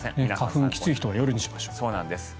花粉がきつい人は夜にしましょう。